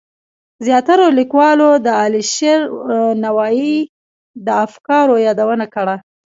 زیاترو لیکوالو د علیشیر نوایی د افکارو یادونه کړه.